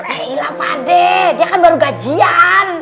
eh ilah pade dia kan baru gajian